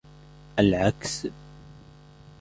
العكس